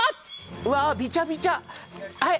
うわ、びちゃびちゃ。